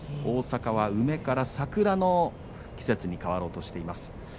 大阪は梅から桜の季節に変わろうとしています。